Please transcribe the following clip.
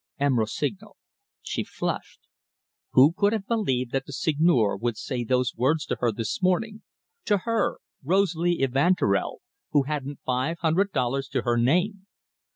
M. Rossignol she flushed. Who could have believed that the Seigneur would say those words to her this morning to her, Rosalie Evanturel, who hadn't five hundred dollars to her name?